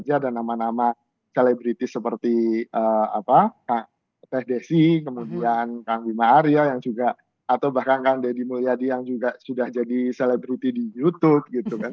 ada nama nama selebriti seperti kak fdc kemudian kang bima arya atau bahkan kang deddy mulyadi yang juga sudah jadi selebriti di youtube